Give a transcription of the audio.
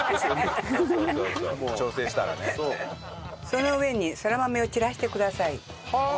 その上にそら豆を散らしてください。